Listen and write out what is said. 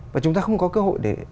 và chúng ta không có cơ hội để